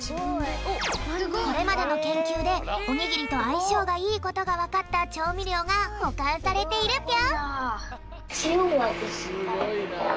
これまでのけんきゅうでおにぎりとあいしょうがいいことがわかったちょうみりょうがほかんされているぴょん。